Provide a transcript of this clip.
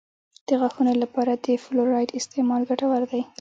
د غاښونو لپاره د فلورایډ استعمال ګټور دی.